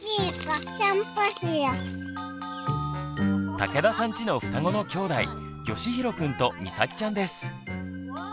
武田さんちの双子のきょうだいよしひろくんとみさきちゃんです。